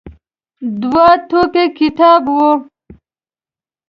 دوه ټوکه کتاب و.